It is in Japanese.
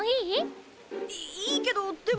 いいいけどでも。